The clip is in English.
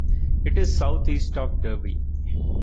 It is south east of Derby.